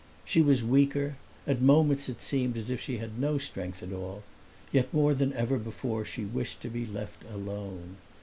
She was weaker; at moments it seemed as if she had no strength at all; yet more than ever before she wished to be left alone.